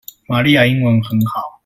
瑪麗亞英文很好